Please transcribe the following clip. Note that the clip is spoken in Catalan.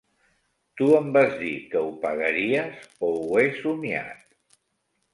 Tu em vas dir que ho pagaries o ho he somiat?